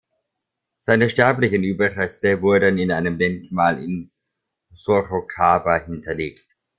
Seine sterblichen Überreste wurden in einem Denkmal in Sorocaba hinterlegt.